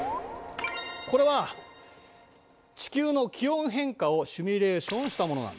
これは地球の気温変化をシミュレーションしたものなんだ。